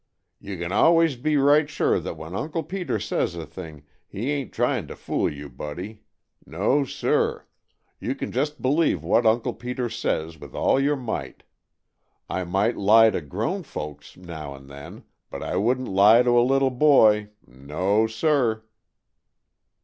"You can always be right sure that when Uncle Peter says a thing, he ain't trying to fool you, Buddy. No, sir! You can just believe what Uncle Peter says, with all your might. I might lie to grown folks now and then, but I wouldn't lie to a little boy. No, sir!"